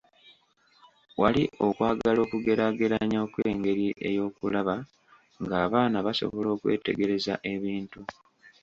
Wali okwagala okugeraageranya okw’engeri ey'okulaba ng’abaana basobola okwetegereza ebintu.